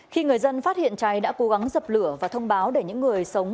khi người dân phát hiện cháy đã cố gắng dập lửa và thông báo để những người sống